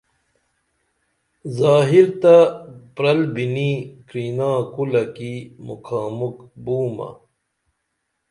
ظاہر تہ پرل بِنی کرینا کُلہ کی مُکھا مُکھ بومہ